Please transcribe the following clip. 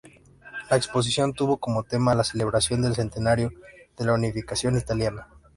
La exposición tuvo como tema la celebración del centenario de la Unificación italiana.